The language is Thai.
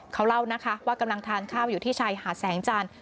เขาเล่านะคะว่ากำลังทานข้าวอยู่ที่ชายหาดแสงจันทร์